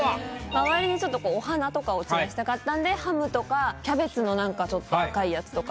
周りにちょっとお花とかを散らしたかったんでハムとかキャベツのなんかちょっと赤いやつとか。